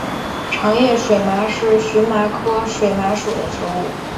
长叶水麻是荨麻科水麻属的植物。